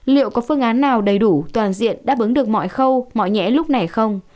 liệu có phương án nào đầy đủ toàn diện đáp ứng được mọi khâu mọi nghẽ lúc này không